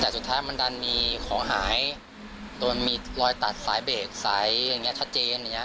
แต่สุดท้ายมันดันมีของหายโดนมีรอยตัดสายเบรกสายอย่างนี้ชัดเจนอย่างนี้